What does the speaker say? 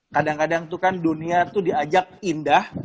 kadang kadang tuh kan dunia itu diajak indah